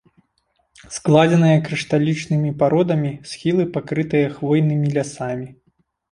Складзеныя крышталічнымі пародамі, схілы пакрытыя хвойнымі лясамі.